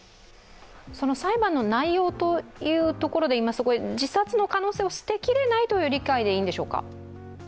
裁判の内容というところでいいますと自殺の可能性を捨てきれないという理解でいいんでしょうか？